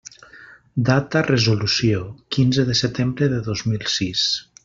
Data resolució: quinze de setembre de dos mil sis.